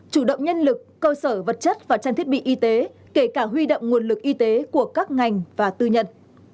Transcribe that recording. chủ động nhân lực cơ sở vật chất và trang thiết bị y tế kể cả huy động nguồn lực y tế của các ngành và tư nhân